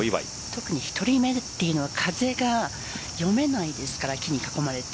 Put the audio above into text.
特に１人目は風が読めないですから木に囲まれて。